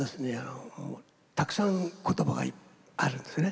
たくさん言葉があるんですよね。